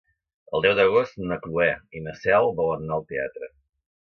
El deu d'agost na Cloè i na Cel volen anar al teatre.